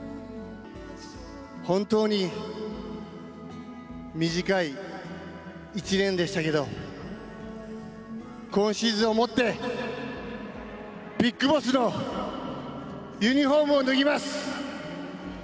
本当に、短い１年でしたけど、今シーズンをもって、ＢＩＧＢＯＳＳのユニホームを脱ぎます。